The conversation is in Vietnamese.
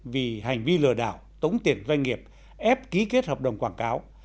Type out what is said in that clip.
tiền doanh nghiệp ép ký kết hợp đồng quảng cáo